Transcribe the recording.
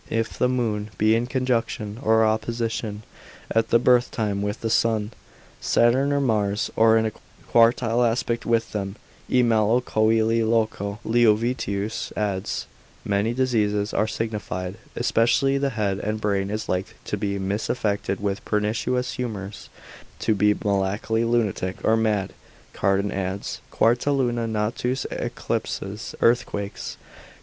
If the moon be in conjunction or opposition at the birth time with the sun, Saturn or Mars, or in a quartile aspect with them, (e malo coeli loco, Leovitius adds,) many diseases are signified, especially the head and brain is like to be misaffected with pernicious humours, to be melancholy, lunatic, or mad, Cardan adds, quarta luna natos, eclipses, earthquakes.